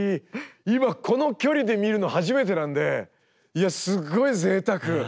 今この距離で見るの初めてなんでいやすごい贅沢！